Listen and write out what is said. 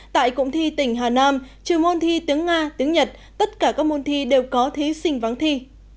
tại cụng thi tỉnh hà nam trừ môn thi tiếng nga tiếng nhật tất cả các môn thi đều có thí sinh vắng thi